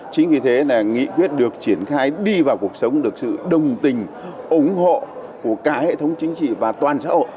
chính vì thế là nghị quyết được triển khai đi vào cuộc sống được sự đồng tình ủng hộ của cả hệ thống chính trị và toàn xã hội